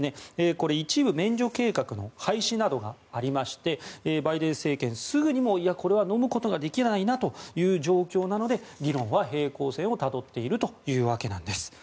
これ、一部免除計画の廃止などがありましてバイデン政権、すぐにもこれはのむことができないなという状況なので議論は平行線をたどっているというわけなんです。